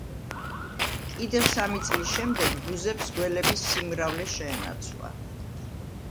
კიდევ სამი წლის შემდეგ ბუზებს გველების სიმრავლე შეენაცვლა.